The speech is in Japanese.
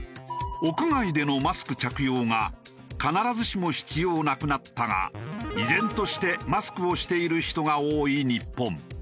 屋外でのマスク着用が必ずしも必要なくなったが依然としてマスクをしている人が多い日本。